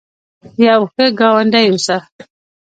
یو ښه ګاونډي اوسه